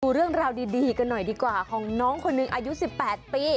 เรื่องราวดีกันหน่อยดีกว่าของน้องคนหนึ่งอายุ๑๘ปี